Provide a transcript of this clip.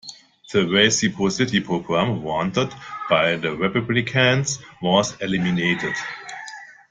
The reciprocity program wanted by the Republicans was eliminated.